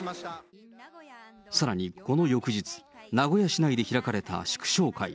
さらにこの翌日、名古屋市内で開かれた祝勝会。